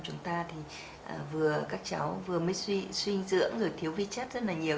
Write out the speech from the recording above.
chúng ta thì vừa các cháu vừa mới suy dưỡng rồi thiếu vi chất rất là nhiều